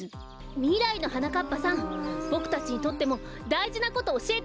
みらいのはなかっぱさんボクたちにとってもだいじなことおしえてください！